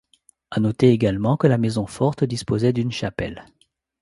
À noter également que la maison forte disposait d'une chapelle.